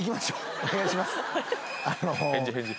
お願いします。